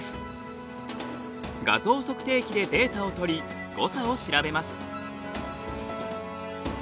画像測定器でデータを取り誤差を調べます。